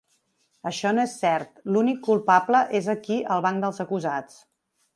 Això no és cert, l’únic culpable és aquí al banc dels acusats.